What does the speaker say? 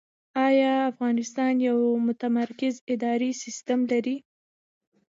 آیا افغانستان یو متمرکز اداري سیستم لري؟